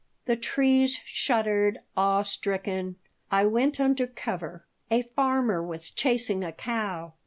The trees shuddered, awe stricken. I went under cover. A farmer was chasing a cow.